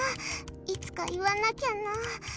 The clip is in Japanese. いつか言わなきゃな。